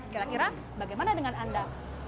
kira kira bagaimana dengan anda